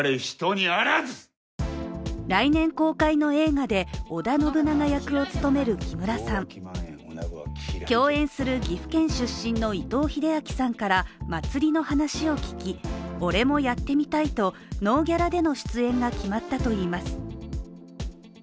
来年公開の映画で織田信長役を務める木村さん共演する岐阜県出身の伊藤英明さんから祭りの話を聞き「俺もやってみたい」とノーギャラでの出演が決まったといいます。